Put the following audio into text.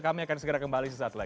kami akan segera kembali sesaat lagi